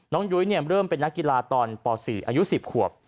ยุ้ยเริ่มเป็นนักกีฬาตอนป๔อายุ๑๐ขวบ